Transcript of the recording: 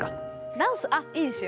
ダンスあっいいですよ。